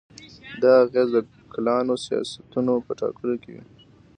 دا اغېز د کلانو سیاستونو په ټاکلو کې وي.